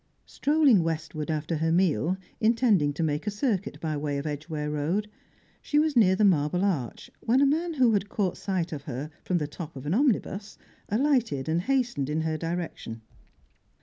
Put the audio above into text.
Strolling westward after her meal, intending to make a circuit by way of Edgware Road, she was near the Marble Arch when a man who had caught sight of her from the top of an omnibus alighted and hastened in her direction.